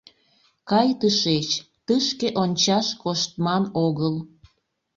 Кай тышеч, тышке ончаш коштман огыл!